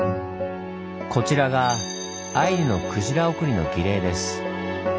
こちらがアイヌの鯨送りの儀礼です。